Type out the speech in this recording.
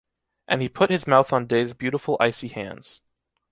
And he put his mouth on Dea's beautiful icy hands.